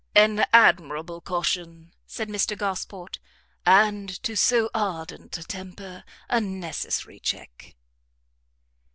"An admirable caution!" said Mr Gosport, "and, to so ardent a temper, a necessary check!"